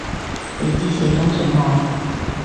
畀枝卸妝水我